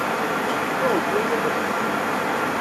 Nnuɣent wway-gar-asent.